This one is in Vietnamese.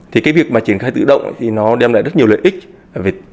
thì cái việc mà triển khai tự động thì nó đem lại rất nhiều lợi ích